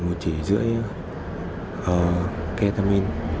một trí rưỡi ketamin